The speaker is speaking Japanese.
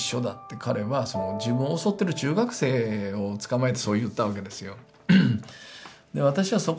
彼は自分を襲ってる中学生をつかまえてそう言ったわけですよ。